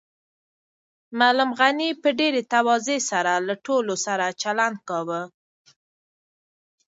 معلم غني په ډېرې تواضع سره له ټولو سره چلند کاوه.